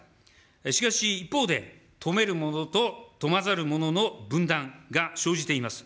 しかし一方で、富める者と富まざる者の分断が生じています。